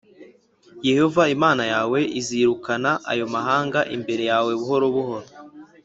Yehova Imana yawe azirukana ayo mahanga imbere yawe buhoro buhoro.